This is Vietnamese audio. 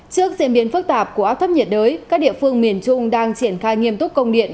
trước diễn biến phức tạp của áp thấp nhiệt đới các địa phương miền trung đang triển khai nghiêm túc công điện